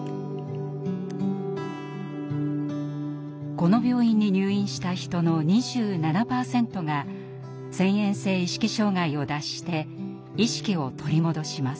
この病院に入院した人の２７％が遷延性意識障害を脱して「意識」を取り戻します。